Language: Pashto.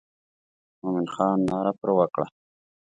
مومن خان ناره پر وکړه.